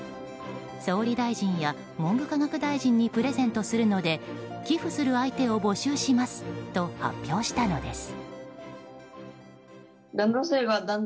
総理大臣や文部科学大臣にプレゼントするので寄付する相手を募集しますと発表したのです。